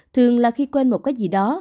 thường là khi quên một cái gì đó